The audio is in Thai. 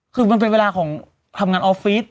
คือมันเป็นเวลาของทำงานออฟฟิศ